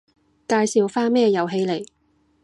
介紹返咩遊戲嚟